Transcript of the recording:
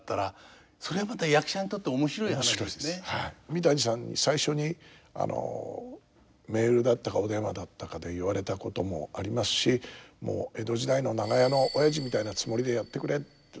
三谷さんに最初にメールだったかお電話だったかで言われたこともありますし「もう江戸時代の長屋のおやじみたいなつもりでやってくれ」って。